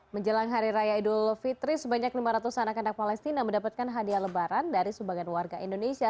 menjelang hari raya idul fitri sebanyak lima ratus anak anak palestina mendapatkan hadiah lebaran dari sebagian warga indonesia